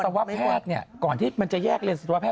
สัตวะแพทย์ก่อนที่มันจะแยกเล่นสัตวะแพทย์